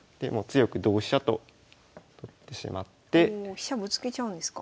飛車ぶつけちゃうんですか？